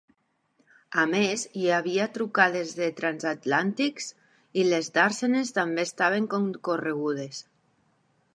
A més, hi havia trucades de transatlàntics i les dàrsenes també estaven concorregudes.